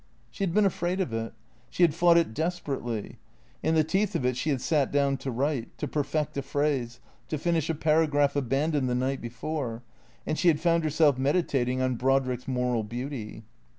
She had been afraid of it. She had fought it desperately. In the teeth of it she had sat down to write, to perfect a phrase, to finish a paragraph abandoned the night before; and she had found herself meditating on Brodrick's moral beauty.